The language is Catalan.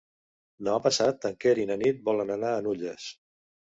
Demà passat en Quer i na Nit volen anar a Nulles.